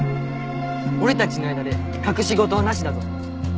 俺たちの間で隠し事はなしだぞ。